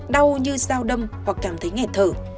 đau như dao đâm hoặc cảm thấy nghẹt thở